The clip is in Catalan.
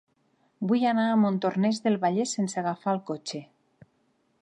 Vull anar a Montornès del Vallès sense agafar el cotxe.